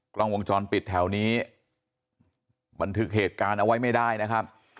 กล้องวงจรปิดแถวนี้บันทึกเหตุการณ์เอาไว้ไม่ได้นะครับ